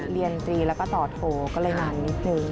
เรียน๓แล้วก็ต่อโทก็เลยมานิดหนึ่ง